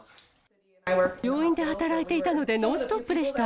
病院で働いていたので、ノンストップでした。